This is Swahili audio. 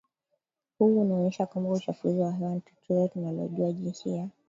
huu unaonyesha kwamba uchafuzi wa hewa ni tatizo tunalojua jinsi ya